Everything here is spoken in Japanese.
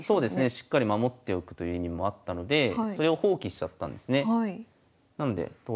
しっかり守っておくという意味もあったのでそれを放棄しちゃったんですね。